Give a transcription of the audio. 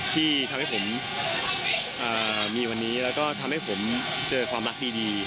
ที่ทำให้ผมมีวันนี้แล้วก็ทำให้ผมเจอความรักดี